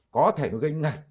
có thể nó gây ngạt